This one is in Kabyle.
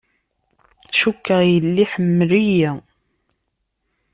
Cukkeɣ yella iḥemmel-iyi.